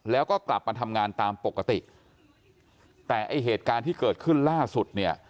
แล้วก็กลับมาทำงานตามปกติแต่ไอ้เหตุการณ์ที่เกิดขึ้นล่าสุดเนี่ย